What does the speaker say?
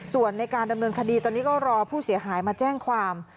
ส่วนในการดำเนินคดีตอนนี้ก็รอผู้เสียหายมาแจ้งความ